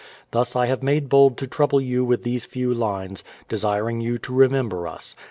Thus I have made bold to trouble you with these few lines, desiring you to remember us. .